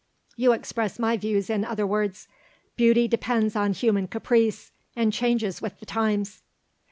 "You express my views in other words. Beauty depends on human caprice, and changes with the times."